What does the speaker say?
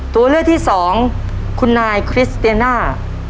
ตัวเลือกที่สองคุณนายคริสเตียน่า